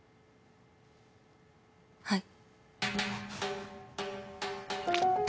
はい。